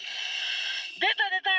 出た出た！